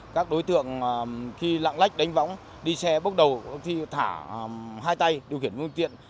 các đối tượng khi lạng lách đánh võng đi xe bốc đầu khi thả hai tay điều khiển phương tiện